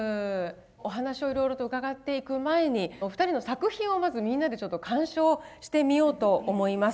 お話をいろいろと伺っていく前にお二人の作品をまずみんなでちょっと鑑賞してみようと思います。